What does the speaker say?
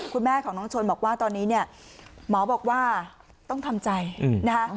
คุณแม่ของน้องชนบอกว่าตอนนี้เนี่ยหมอบอกว่าต้องทำใจนะคะ